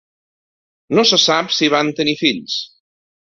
No se sap si van tenir fills.